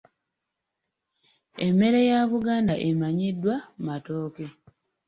Emmere ya Buganda emanyiddwa matooke.